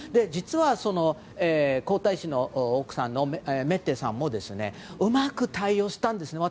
実は、皇太子の奥さんのメッテさんもうまく対応したんです。